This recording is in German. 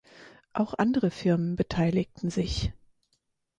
Auch andere Firmen beteiligten sich.